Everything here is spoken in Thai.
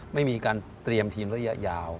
ไม่มีการเตรียมทีมระยะยาว